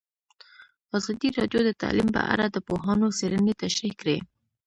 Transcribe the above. ازادي راډیو د تعلیم په اړه د پوهانو څېړنې تشریح کړې.